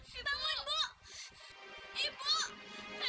jangan lama lama ya teh